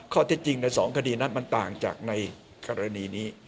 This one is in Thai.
ข้อเท็จจริงใน๒คดีนั้นมันต่างจากในกรณีนี้